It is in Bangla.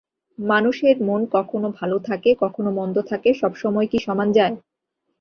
মানুষের মন কখনো ভালো থাকে কখনো মন্দ থাকে, সব সময় কি সমান যায়!